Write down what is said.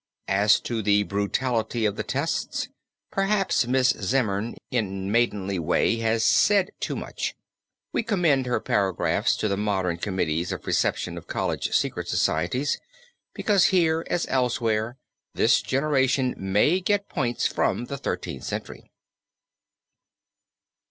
As to the brutality of the tests perhaps Miss Zimmern in maidenly way has said too much. We commend her paragraphs to the modern committees of reception of college secret societies, because here as elsewhere this generation may get points from the Thirteenth Century.